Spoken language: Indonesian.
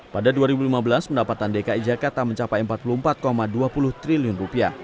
pada dua ribu lima belas pendapatan dki jakarta mencapai rp empat puluh empat dua puluh triliun